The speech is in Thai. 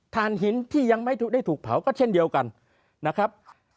ฐานหินที่ยังไม่ได้ถูกเผาก็เช่นเดียวกันนะครับ